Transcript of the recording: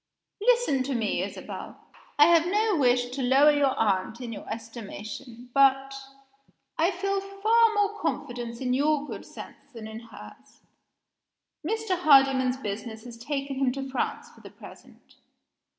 "Listen to me, Isabel! I have no wish to lower your aunt in your estimation, but I feel far more confidence in your good sense than in hers. Mr. Hardyman's business has taken him to France for the present.